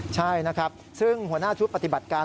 ใช่นะครับซึ่งหัวหน้าชุดปฏิบัติการ